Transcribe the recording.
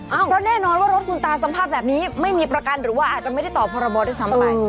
เพราะแน่นอนว่ารถคุณตาสภาพแบบนี้ไม่มีประกันหรือว่าอาจจะไม่ได้ต่อพรบด้วยซ้ำไป